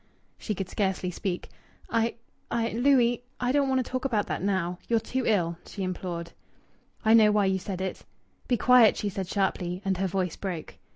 She could scarcely speak. "I I Louis don't talk about that now. You're too ill," she implored. "I know why you said it." "Be quiet!" she said sharply, and her voice broke.